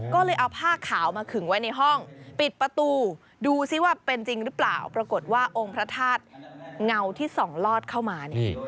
ก็เลยเอาผ้าขาวมาขึงไว้ในห้องปิดประตูดูซิว่าเป็นจริงหรือเปล่าปรากฏว่าองค์พระธาตุเงาที่ส่องลอดเข้ามาเนี่ย